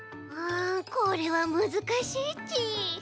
これはむずかしいち。